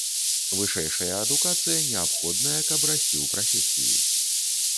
Вышэйшая адукацыя неабходная, каб расці ў прафесіі.